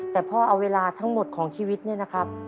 แต่พ่อเอาเวลาทั้งหมดของชีวิตเนี่ยนะครับ